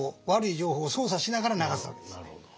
なるほど。